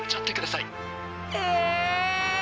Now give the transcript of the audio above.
え。